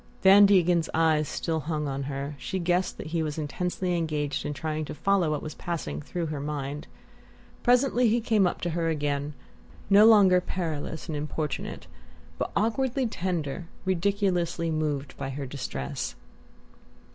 Van Degen's eyes still hung on her: she guessed that he was intensely engaged in trying to follow what was passing through her mind. Presently he came up to her again, no longer perilous and importunate, but awkwardly tender, ridiculously moved by her distress.